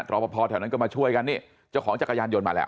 รอปภแถวนั้นก็มาช่วยกันนี่เจ้าของจักรยานยนต์มาแล้ว